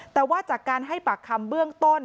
แต่ว่าจากการให้ปากคำเบื้องต้น